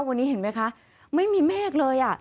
วันนี้เห็นไหมคะไม่มีเมฆเลย